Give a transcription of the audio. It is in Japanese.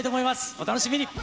お楽しみに。